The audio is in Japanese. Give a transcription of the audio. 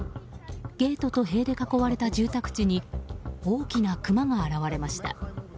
ゲートと塀で囲われた住宅地に大きなクマが現れました。